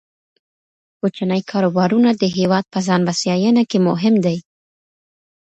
کوچني کاروبارونه د هیواد په ځان بسیاینه کې مهم دي.